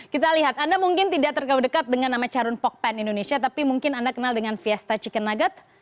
kita lihat anda mungkin tidak terlalu dekat dengan nama charun pokpen indonesia tapi mungkin anda kenal dengan fiesta chicken nugget